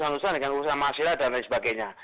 urusan urusan dengan urusan masyarakat dan lain sebagainya